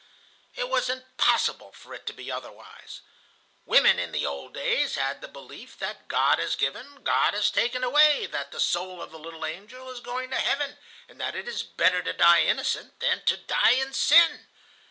"It was impossible for it to be otherwise. Women in the old days had the belief that 'God has given, God has taken away,' that the soul of the little angel is going to heaven, and that it is better to die innocent than to die in sin.